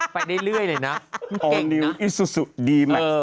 ปล่อยได้เรื่อยเลยนะ